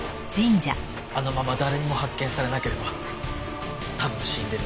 あのまま誰にも発見されなければ多分死んでる。